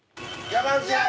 山内。